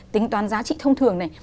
tính toán giá trị thông thường này